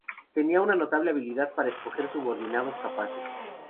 Tenía una notable habilidad para escoger subordinados capaces.